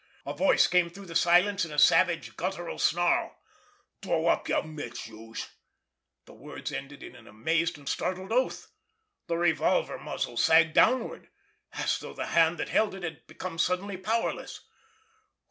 A voice came through the silence in a savage, guttural snarl: "Throw up yer mitts, youse——" The words ended in an amazed and startled oath. The revolver muzzle sagged downward, as though the hand that held it had become suddenly powerless.